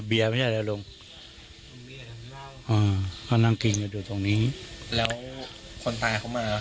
เบียร์ไม่ใช่อะไรลุงอ๋อก็นั่งกินอยู่ตรงนี้แล้วคนตายเขามา